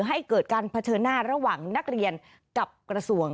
ให้เกิดการเผชิญหน้าระหว่างนักเรียนกับกระทรวง